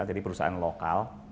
jadi perusahaan lokal